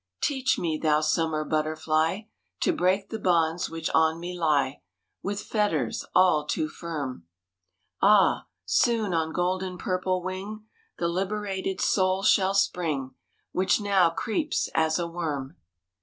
Teach me, thou summer butterfly, To break the bonds which on me lie. With fetters all too firm. Ah, soon on golden purple wing The liberated soul shall spring, Which now creeps as a worm!